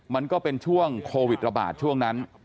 มันก็เป็นช่วงโควิดระบาดช่วงนั้น